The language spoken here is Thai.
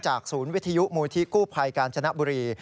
ศูนย์วิทยุมูลที่กู้ภัยกาญจนบุรี